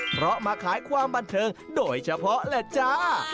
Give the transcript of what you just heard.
เพราะมาขายความบันเทิงโดยเฉพาะแหละจ้า